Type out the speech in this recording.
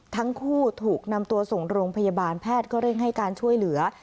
ทั้งคู่ถูกนำตัวส่งโรงพยาบาลแพทย์ก็เร่งให้การช่วยเหลือ